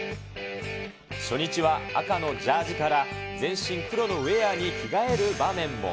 初日は赤のジャージから全身黒のウエアに着替える場面も。